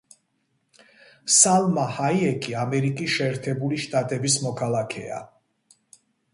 სალმა ჰაიეკი ამერიკის შეერთებული შტატების მოქალაქეა.